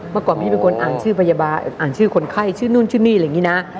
ประกอบพี่เป็นคนอ่านชื่อคนไข้ชื่อนู่นงานี่